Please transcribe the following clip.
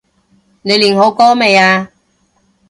你練好歌未呀？